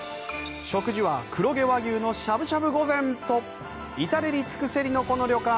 食事は黒毛和牛のしゃぶしゃぶ御膳と至れり尽くせりのこの旅館。